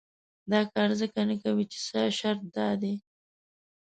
دا کار ځکه نه کوي چې شرط دا دی.